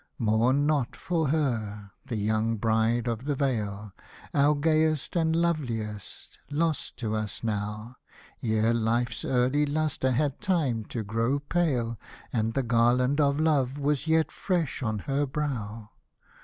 Mourn not for her, the young Bride of the Vale, Our gayest and loveliest, lost to us now. Ere life's early lustre had time to grow pale, And the garland of Love was yet fresh on her brow.